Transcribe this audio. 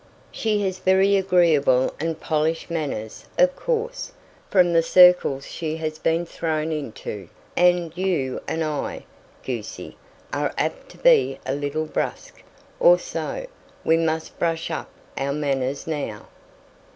She has very agreeable and polished manners of course, from the circles she has been thrown into and you and I, goosey, are apt to be a little brusque, or so; we must brush up our manners now."